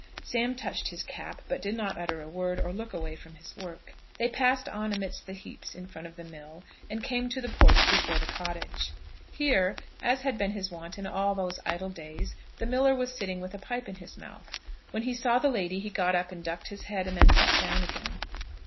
Sam touched his cap, but did not utter a word, or look away from his work. They passed on amidst the heaps in front of the mill, and came to the porch before the cottage. Here, as had been his wont in all these idle days, the miller was sitting with a pipe in his mouth. When he saw the lady he got up and ducked his head, and then sat down again.